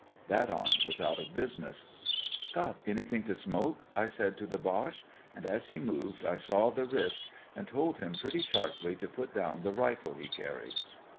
That arm was out of business. * Got anything to smoke ?' I said to the Boche, and as he moved I saw the risk, and told him pretty sharply to put down the rifle he carried.